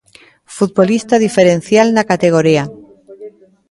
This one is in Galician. Futbolista diferencial na categoría.